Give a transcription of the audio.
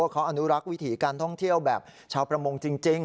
เขาอนุรักษ์วิถีการท่องเที่ยวแบบชาวประมงจริง